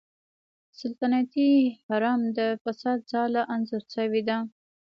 سلطنتي حرم د فساد ځاله انځور شوې ده.